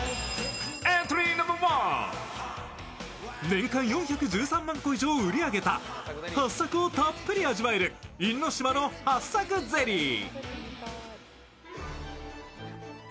年間４１３万個以上を売り上げたはっさくをたっぷり味わえる因島のはっさくゼリー。